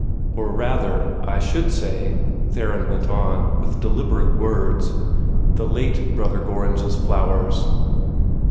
"Or rather, I should say," Theron went on, with deliberate words, "the late Brother Gorringe's flowers."